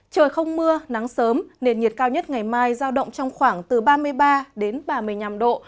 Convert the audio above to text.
trời không mưa nắng sớm nền nhiệt cao nhất ngày mai giao động trong khoảng từ ba mươi ba đến ba mươi năm độ